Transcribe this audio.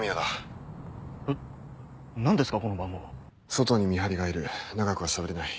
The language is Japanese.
外に見張りがいる長くはしゃべれない。